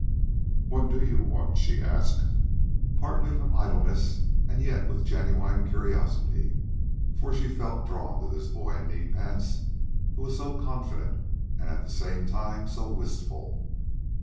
"What do you want?" she asked, partly from idleness, and yet with genuine curiosity; for she felt drawn to this boy in knee pants who was so confident and at the same time so wistful.